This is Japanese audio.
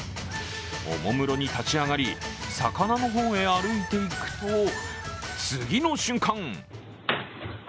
おもむろに立ち上がり、魚の方へ歩いていくと次の瞬間。